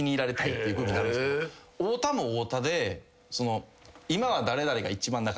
太田も太田で。